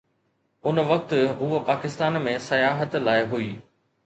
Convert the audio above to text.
ان وقت هوءَ پاڪستان ۾ سياحت لاءِ هئي.